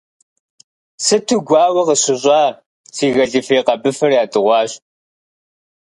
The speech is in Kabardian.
Сыту гуауэ къысщыщӏа, си гэлифе къэбыфэр ядыгъуащ.